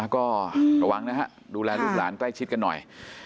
ก็ระวังนะฮะดูแลลูกหลานใกล้ชิดกันหน่อย